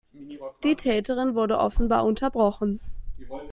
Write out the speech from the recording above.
Die Täterin wurde offenbar unterbrochen.